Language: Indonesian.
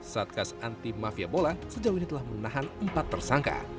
satgas anti mafia bola sejauh ini telah menahan empat tersangka